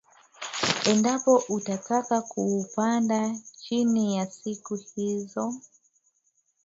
endapo utataka kuupanda chini ya siku hizo